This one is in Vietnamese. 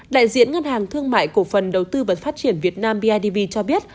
đại diện ngân hàng thương mại cổ phần đầu tư và phát triển việt nam bidv cho biết